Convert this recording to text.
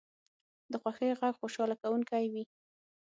د خوښۍ غږ خوشحاله کوونکی وي